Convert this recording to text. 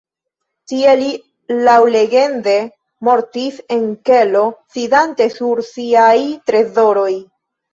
Tie li laŭlegende mortis en kelo sidante sur siaj trezoroj.